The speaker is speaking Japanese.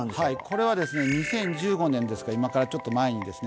これはですね２０１５年ですから今からちょっと前にですね